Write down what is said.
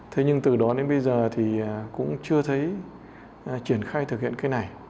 thế nhưng từ đó đến bây giờ thì cũng chưa thấy triển khai thực hiện cái này